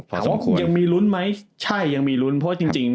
พอสมควรถามว่ายังมีรุ้นไหมใช่ยังมีรุ้นเพราะว่าจริงจริง